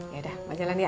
ya udah mau jalan ya